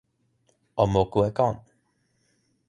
o moku e kon!